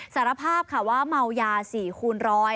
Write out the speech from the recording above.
สารภาพค่ะว่าเมายา๔คูณร้อย